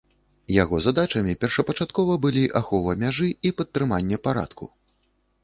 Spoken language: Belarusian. Яго задачамі першапачаткова былі ахова мяжы і падтрыманне парадку.